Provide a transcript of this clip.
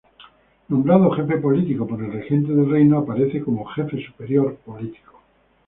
Nombrado Jefe Político por el Regente del Reino, aparece como Jefe Superior Político.